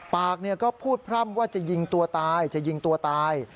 ปากก็พูดพร่ำว่าจะยิงตัวตายจะยิงตัวตาย